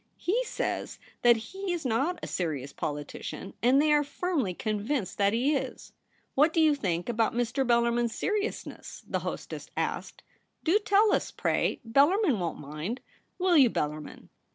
/le says that he is not a serious politician, and they are firmly convinced that he is.' ' What do you think about ^Ir. Bellarmin's seriousness ?' the hostess asked. • Do tell us, pray ; Bellarmin won't mind. Will you, Bel larmin